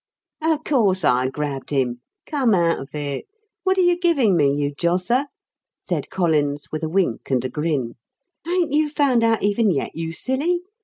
"Of course I grabbed him. Come out of it. What are you giving me, you josser?" said Collins with a wink and a grin. "Ain't you found out even yet, you silly?